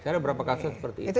saya ada berapa kasus seperti itu